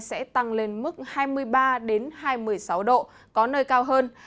sẽ tăng lên mức hai mươi ba hai mươi sáu độ có nơi cao hơn